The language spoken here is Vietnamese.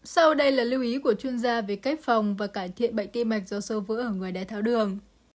sau đây là lưu ý của chuyên gia về cách phòng và cải thiện bệnh ti mạch do sơ vữa ở người đái tháo đường